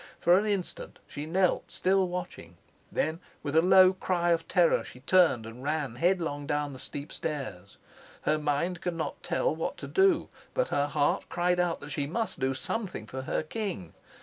For an instant she knelt, still watching. Then with a low cry of terror she turned and ran headlong down the steep stairs. Her mind could not tell what to do, but her heart cried out that she must do something for her king.